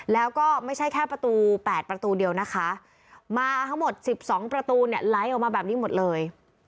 แล้วก็ไม่ใช่แค่ประตู๘ประตูเดียวนะคะมาทั้งหมด๑๒ประตูเนี่ยไหลออกมาแบบนี้หมดเลย